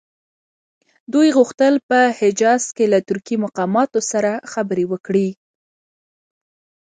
دوی غوښتل په حجاز کې له ترکي مقاماتو سره خبرې وکړي.